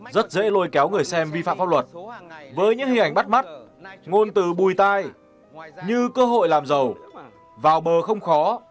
rất dễ lôi kéo người xem vi phạm pháp luật với những hình ảnh bắt mắt ngôn từ bùi tai như cơ hội làm giàu vào bờ không khó